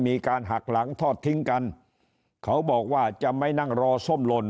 มีการหักหลังทอดทิ้งกันเขาบอกว่าจะไม่นั่งรอส้มหล่น